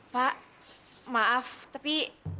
pak maaf tapi